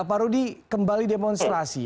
pak rudi kembali demonstrasi